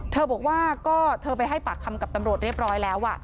บอกว่าก็เธอไปให้ปากคำกับตำรวจเรียบร้อยแล้ว